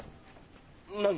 何？